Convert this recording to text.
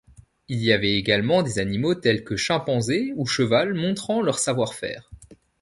Il y avait également des animaux tels que chimpanzé ou cheval montrant leur savoir-faire.